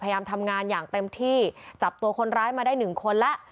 พยายามทำงานอย่างเต็มที่จับตัวคนร้ายมาได้๑คนละ